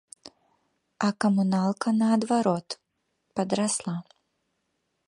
А камуналка, наадварот, падрасла.